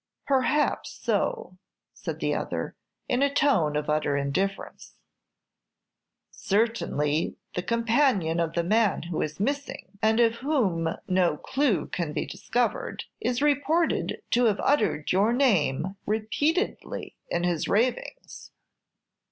"Perhaps so," said the other, in a tone of utter indifference. "Certainly, the companion of the man who is missing, and of whom no clew can be discovered, is reported to have uttered your name repeatedly in his ravings."